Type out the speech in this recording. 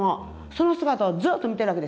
その姿をずっと見てるわけですよ。